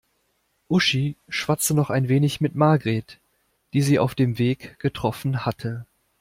Uschi schwatzte noch ein wenig mit Margret, die sie auf dem Weg getroffen hatte.